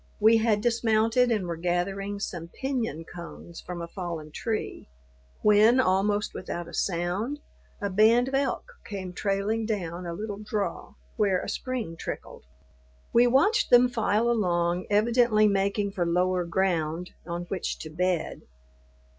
We had dismounted, and were gathering some piñon cones from a fallen tree, when, almost without a sound, a band of elk came trailing down a little draw where a spring trickled. We watched them file along, evidently making for lower ground on which to bed.